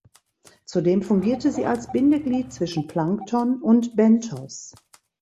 Zudem fungiert sie als Bindeglied zwischen Plankton und Benthos.